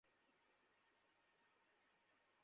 ভালো মেয়ে কি বলতে চাইছো?